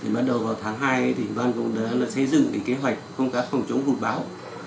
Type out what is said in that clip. bắt đầu vào tháng hai ủy ban cũng đã xây dựng kế hoạch không các phòng chống hụt báo